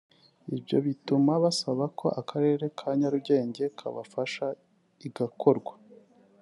ibyo bituma basaba ko Akarere ka Nyarugenge kabafasha igakorwa